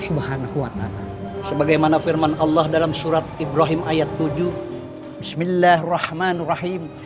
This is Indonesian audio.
subhanahu wa ta'ala sebagaimana firman allah dalam surat ibrahim ayat tujuh bismillahirrohmanirrohim